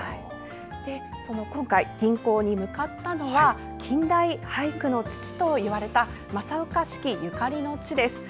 今回、吟行に向かったのは近代俳句の父といわれた正岡子規ゆかりの地です。